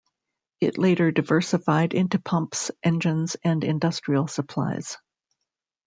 It later diversified into pumps, engines and industrial supplies.